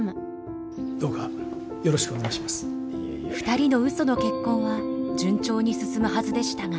２人の嘘の結婚は順調に進むはずでしたが。